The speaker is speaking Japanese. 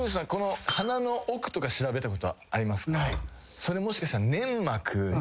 それもしかしたら。